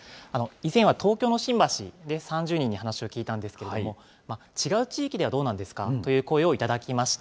以前は東京の新橋で３０人に話を聞いたんですけれども、違う地域ではどうなんですかという声を頂きました。